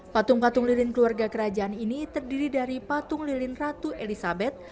patung patung lilin keluarga kerajaan ini terdiri dari patung lilin ratu elizabeth